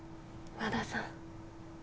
和田さん